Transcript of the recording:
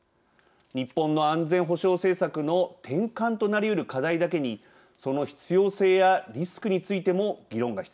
日本の安全保障政策の転換となりうる課題だけにその必要性やリスクについても議論が必要だと思います。